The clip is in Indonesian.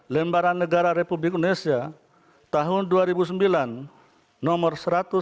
lembaran negara republik indonesia tahun dua ribu sembilan nomor satu ratus enam puluh